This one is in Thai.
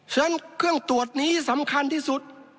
ฉะนั้นเครื่องตรวจนี้สำคัญที่สุด